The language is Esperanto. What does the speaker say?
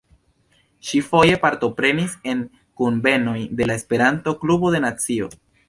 Ŝi foje partoprenis en kunvenoj de la Esperanto-Klubo de Nancio.